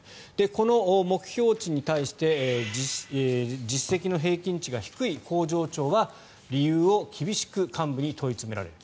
この目標値に対して実績の平均値が低い工場長は理由を厳しく幹部に問い詰められる。